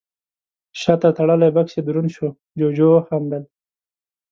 شاته تړلی بکس يې دروند شو، جُوجُو وخندل: